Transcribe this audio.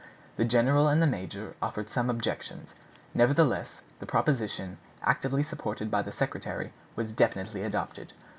The general and the major offered some objections; nevertheless, the proposition, actively supported by the secretary, was definitely adopted.